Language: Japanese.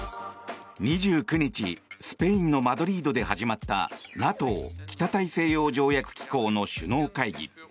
２９日スペインのマドリードで始まったＮＡＴＯ・北大西洋条約機構の首脳会議。